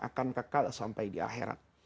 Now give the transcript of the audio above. akan kekal sampai di akhirat